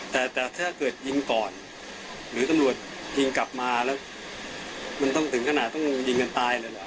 แต่แต่ถ้าเกิดยิงก่อนหรือตำรวจยิงกลับมาแล้วมันต้องถึงขนาดต้องยิงกันตายเลยเหรอ